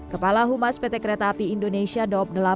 kepala humas pt kereta api indonesia daob delapan